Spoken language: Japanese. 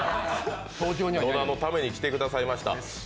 野田のために来てくださいました。